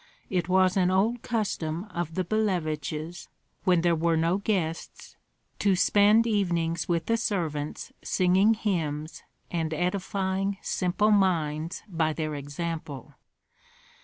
It was an old custom of the Billeviches, when there were no guests, to spend evenings with the servants singing hymns and edifying simple minds by their example.